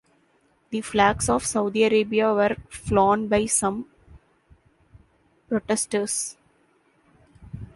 The flags of Saudi Arabia were flown by some protesters.